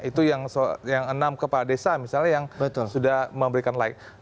itu yang enam kepala desa misalnya yang sudah memberikan like